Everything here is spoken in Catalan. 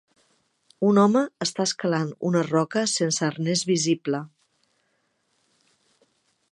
Un home està escalant una roca sense arnès visible.